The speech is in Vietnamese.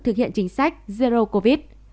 thực hiện chính sách zero covid